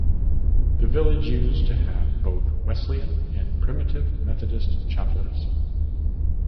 The village used to have both Wesleyan and Primitive Methodist Chapels.